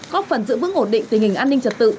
góp phần giữ vững ổn định tình hình an ninh trật tự